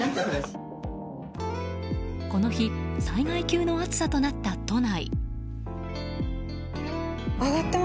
この日、災害級の暑さとなった都内。